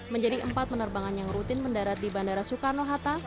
menjadi empat penerbangan yang rutin mendarat di bandara soekarno hatta